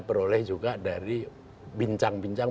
peroleh juga dari bincang bincang